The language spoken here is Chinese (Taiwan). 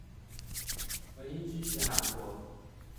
唯一支持韓國